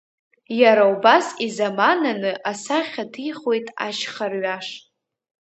Иара убас изамананы асахьа ҭихуеит ашьха рҩаш…